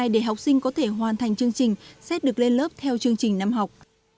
để học sinh có thể hoàn thành chương trình xét được lên lớp theo chương trình năm học